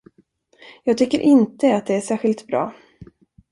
Jag tycker inte att det är särskilt bra.